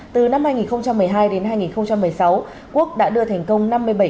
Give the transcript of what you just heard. từ năm hai nghìn một mươi hai đến hai nghìn một mươi sáu quốc đã đưa thành công năm mươi bảy